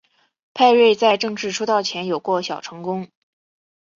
派瑞在正式出道前有过小成功。